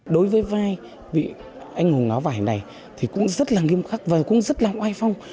đối với vai vị anh hùng áo vải này thì cũng rất là nghiêm khắc và cũng rất là oai phong